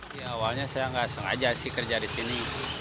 saya tidak sengaja kerja di sini